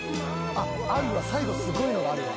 あるわ最後すごいのがあるわ。